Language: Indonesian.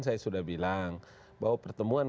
saya sudah bilang bahwa pertemuan